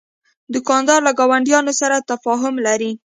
دوکاندار له ګاونډیانو سره تفاهم لري.